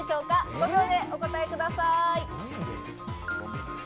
５秒でお答えください。